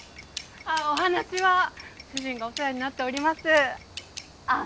ああお話は主人がお世話になっておりますああ